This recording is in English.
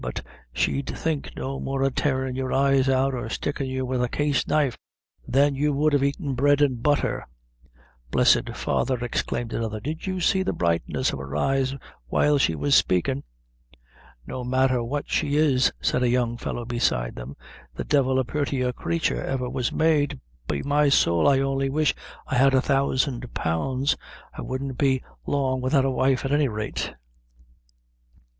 but she'd think no more of tearin' your eyes out, or stickin' you wid a case knife, than you would of aitin' bread an' butther." "Blessed Father!" exclaimed another, "did you see the brightness of her eyes while she was spakin?" "No matther what she is," said a young fellow beside them; "the devil a purtier crature ever was made; be my soul, I only wish I had a thousand pounds, I wouldn't be long without a wife at any rate."